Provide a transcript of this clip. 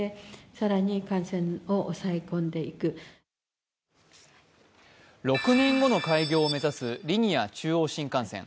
杉山６年後の開業を目指すリニア中央新幹線。